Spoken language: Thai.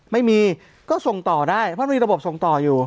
ไม่มีก็ส่งต่อได้เพราะมีระบบส่งต่ออยู่